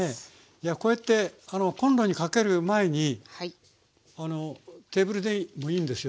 こうやってコンロにかける前にテーブルでもいいんですよね？